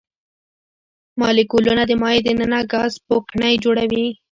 مالیکولونه د مایع د ننه ګاز پوکڼۍ جوړوي.